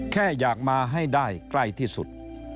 แค่อยากมาให้ได้ใกล้ที่สุด